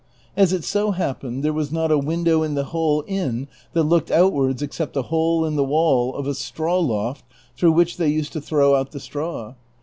As it so happened there was not a window in the whole inn that looked outwards except a hole in the wall of a straw loft through which they used to throw out the straw.